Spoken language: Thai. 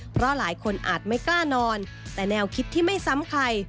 เพราะหลายคนอาจไม่กล้านอนแต่แนวคิดที่ไม่ซ้ำใคร